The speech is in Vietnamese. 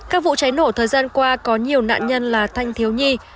các vụ cháy nổ thời gian qua có nhiều nạn nhân là thanh thiếu nhi